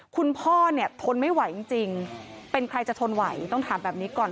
คุณพ่อเนี่ยทนไม่ไหวจริงเป็นใครจะทนไหวต้องถามแบบนี้ก่อน